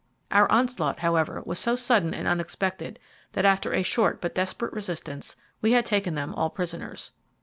Our onslaught, however, was so sudden and unexpected, that after a short but desperate resistance we had taken them all prisoners.